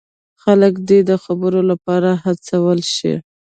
خلک دې د خبرو لپاره هڅول شي.